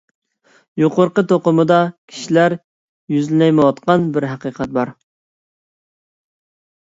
يۇقىرىقى توقۇلمىدا كىشىلەر يۈزلىنەلمەيۋاتقان بىر ھەقىقەت بار.